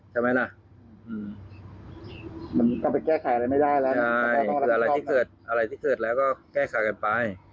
ใช่อะไรที่เกิดแล้วก็แก้ไขกันไป